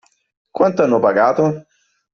Quanto hanno pagato?